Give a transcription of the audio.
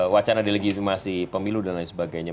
wacana delegitimasi pemilu dan lain sebagainya